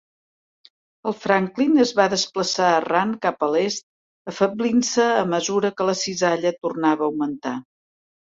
El Franklin es va desplaçar errant cap a l'est afeblint-se a mesura que la cisalla tornava a augmentar.